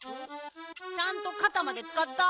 ちゃんとかたまでつかった？